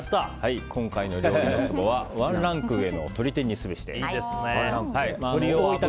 今回の料理のツボはワンランク上の鶏天にすべしです。